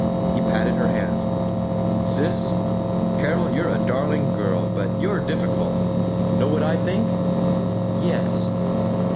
He patted her hand. "Sis Carol, you're a darling girl, but you're difficult. Know what I think?" "Yes."